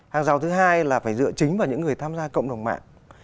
hàng rào thứ hai là phải dựa chính vào những người tham gia cộng đồng mạng